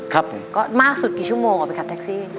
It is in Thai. ครับผมก็มากสุดกี่ชั่วโมงออกไปขับแท็กซี่